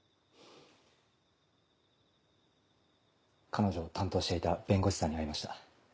彼女を担当していた弁護士さんに会いました。